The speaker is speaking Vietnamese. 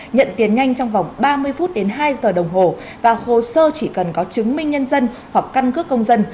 nhận tiền nhanh trong vòng ba mươi phút đến hai giờ đồng hồ và hồ sơ chỉ cần có chứng minh nhân dân hoặc căn cước công dân